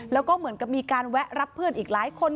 แล้วก็เหมือนกับมีการแวะรับเพื่อนอีกหลายคน